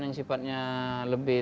yang sifatnya lebih